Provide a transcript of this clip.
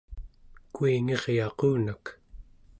kuingiryaqunak